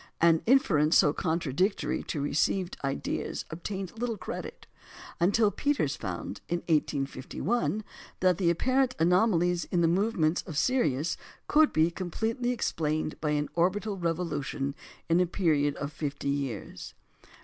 " An inference so contradictory to received ideas obtained little credit, until Peters found, in 1851, that the apparent anomalies in the movements of Sirius could be completely explained by an orbital revolution in a period of fifty years.